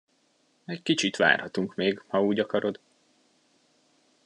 Egy kicsit várhatunk még, ha úgy akarod.